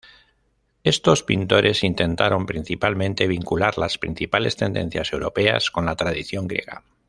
Estos pintores intentaron principalmente vincular las principales tendencias europeas con la tradición griega.